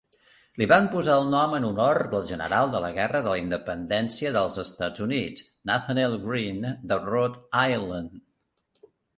Li van posar el nom en honor del general de la Guerra de la Independència dels Estats Units, Nathanael Greene de Rhode Island.